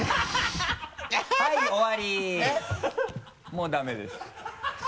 もうダメです。